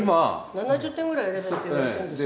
７０点ぐらい選べって言われたんですよね。